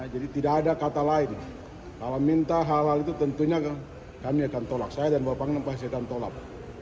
jadi tidak ada kata lain kalau minta halal itu tentunya kami akan tolak saya dan bapak ibu pasti akan tolak